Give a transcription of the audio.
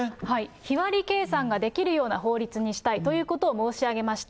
日割り計算ができるような法律にしたいということを申し上げました。